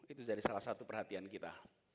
itu jadi salah satu perhatian kita